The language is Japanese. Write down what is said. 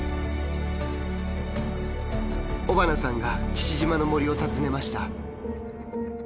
尾花さんが父島の森を訪ねました。